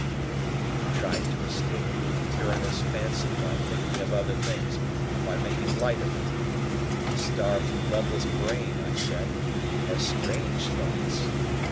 I tried to escape the tyrannous fancy by thinking of other things and by making light of it. "The starved, bloodless brain," I said, "has strange thoughts."